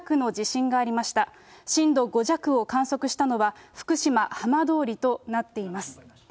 震度５弱を観測したのは、福島・浜通りとなっています。